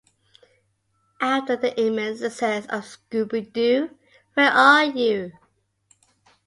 After the immense success of Scooby-Doo, Where Are You!